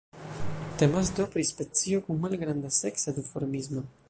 Temas do pri specio kun malgranda seksa duformismo.